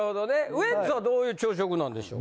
ウエンツはどういう朝食なんでしょう？